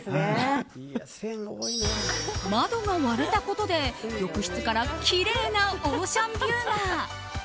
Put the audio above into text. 窓が割れたことで、浴室からきれいなオーシャンビューが。